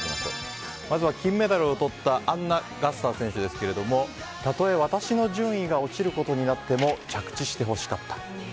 まずは金メダルをとったアンナ・ガッサー選手ですがたとえ私の順位が落ちることになったとしても着地してほしかった。